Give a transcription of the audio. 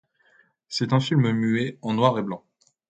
C'est un film muet, en noir et blanc.